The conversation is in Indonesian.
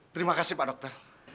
terima kasih pak dokter